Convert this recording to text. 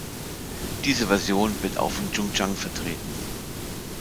Diese Version wird auch von Jung Chang vertreten.